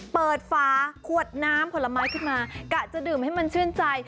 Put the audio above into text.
เปิดฟ้าขวดน้ำผลไม้ขู่มากะจะดื่มให้มันชื่นใจ